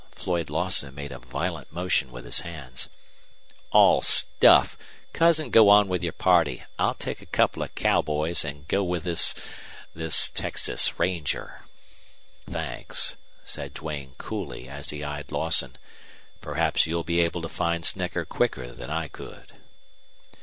Floyd Lawson made a violent motion with his hands. "All stuff! Cousin, go on with your party. I'll take a couple of cowboys and go with this this Texas Ranger." "Thanks," said Duane, coolly, as he eyed Lawson. "Perhaps you'll be able to find Snecker quicker than I could."